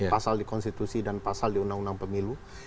pasal di konstitusi dan pasal di undang undang pemilu